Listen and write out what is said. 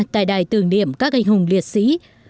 tại đài tưởng niệm các anh hùng liệt sĩ